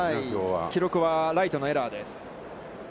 記録はライトのエラーです。